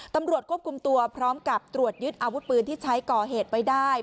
ตำรวจควบคุมตัวพร้อมกับตรวจยึดอาวุธปืนที่ใช้ก่อเหตุไว้ได้